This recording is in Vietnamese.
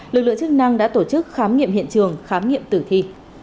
lực lượng chức năng đã tổ chức khám nghiệm hiện trường khám nghiệm tử thi